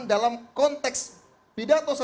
dalam konteks pidato